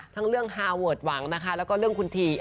ทั้งเรื่องฮาเวิร์ดหวังนะคะแล้วก็เรื่องคุณที